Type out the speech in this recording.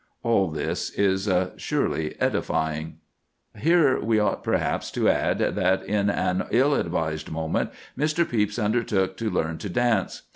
All this is surely edifying. Here we ought perhaps to add that, in an ill advised moment, Mr. Pepys undertook to learn to dance.